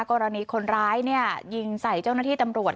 กรณีคนร้ายยิงใส่เจ้าหน้าที่ตำรวจ